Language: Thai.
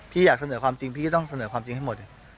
อยากเสนอความจริงพี่ก็ต้องเสนอความจริงให้หมด